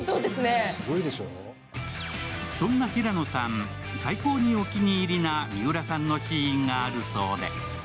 そんな平野さん、最高にお気に入りな三浦さんのシーンがあるそうで。